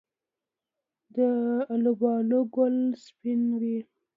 د الوبالو ګل سپین وي؟